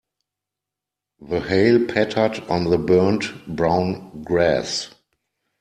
The hail pattered on the burnt brown grass.